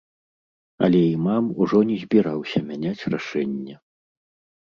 Але імам ужо не збіраўся мяняць рашэнне.